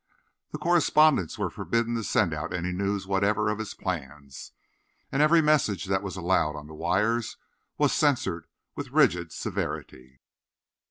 The correspondents were forbidden to send out any news whatever of his plans; and every message that was allowed on the wires was censored with rigid severity.